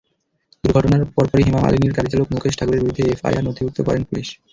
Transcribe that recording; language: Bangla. দুর্ঘটনার পরপরই হেমা মালিনীর গাড়িচালক মুকেশ ঠাকুরের বিরুদ্ধে এফআইআর নথিভুক্ত করে পুলিশ।